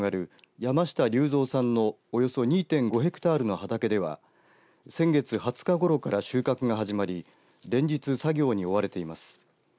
山下龍造さんのおよそ２．５ヘクタールの畑では先月２０日ごろから収穫が始まり連日、作業に追われています。